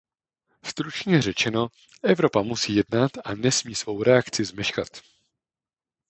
Stručně řečeno, Evropa musí jednat a nesmí svou reakci zmeškat.